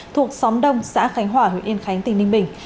thuộc xóm đông xã khánh hòa huyện yên khánh tỉnh ninh bình